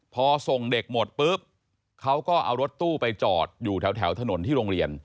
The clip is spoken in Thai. พอส่งเด็กหมดปุ๊บเขาก็เอารถตู้ไปจอดอยู่แถวถนนที่โรงเรียน